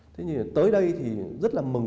thế thì tới đây thì rất là mừng